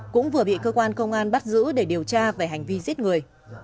cũng vừa bị cơ quan công an bắt giữ để điều tra về hành vi giết người